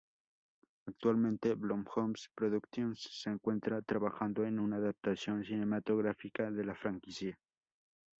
Actualmente, Blumhouse Productions se encuentra trabajando en una adaptación cinematográfica de la franquicia.